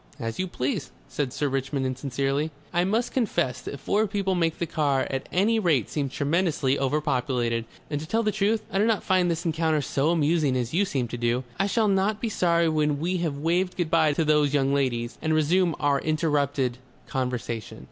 "As you please," said Sir Richmond insincerely. "I must confess that four people make the car at any rate seem tremendously overpopulated. And to tell the truth, I do not find this encounter so amusing as you seem to do.... I shall not be sorry when we have waved good bye to those young ladies, and resume our interrupted conversation."